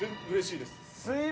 うれしいです。